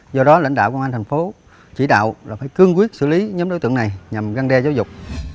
do đó lãnh đạo công an thành phố chỉ đạo là phải cương quyết xử lý nhóm đối tượng này nhằm găng đe giáo dục